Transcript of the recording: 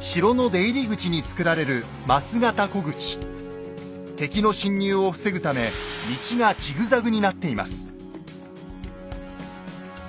城の出入り口に造られる敵の侵入を防ぐため道がジグザグになっています。